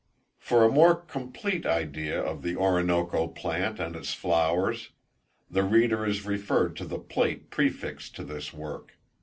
For a more compleat idea of the Oronokoe plant and its flowers, the reader is referred to the plate prefixed to this Work.